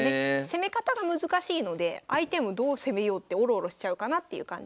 攻め方が難しいので相手もどう攻めようってオロオロしちゃうかなっていう感じです。